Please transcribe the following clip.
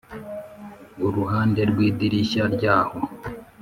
uruhande rwidirishya ryaho